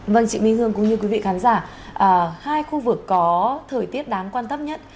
vâng chị minh hương cũng như quý vị khán giả hai khu vực có thời tiết đáng quan tâm nhất